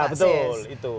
nah betul itu